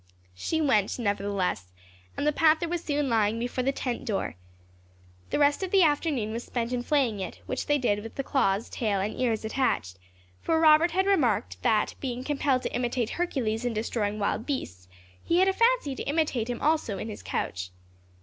She went, nevertheless, and the panther was soon lying before the tent door. The rest of the forenoon was spent in flaying it, which they did with the claws, tail and ears attached; for Robert had remarked, that being compelled to imitate Hercules in destroying wild beasts, he had a fancy to imitate him also in his couch.